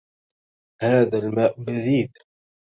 هذا الماء لذيذ.